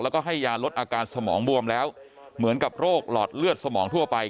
แล้วก็ให้ยาลดอาการสมองบวมแล้วเหมือนกับโรคหลอดเลือดสมองทั่วไป